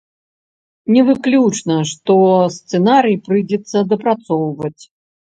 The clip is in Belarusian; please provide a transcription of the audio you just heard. Не выключана, што сцэнарый прыйдзецца дапрацоўваць.